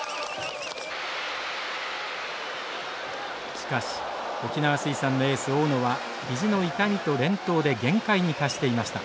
しかし沖縄水産のエース大野は肘の痛みと連投で限界に達していました。